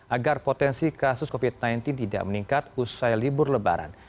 agar potensi kasus covid sembilan belas tidak meningkat usai libur lebaran